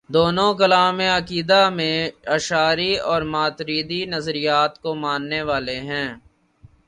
دونوں کلام و عقیدہ میں اشعری و ماتریدی نظریات کو ماننے والے ہیں۔